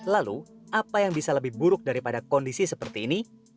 lalu apa yang bisa lebih buruk daripada kondisi seperti ini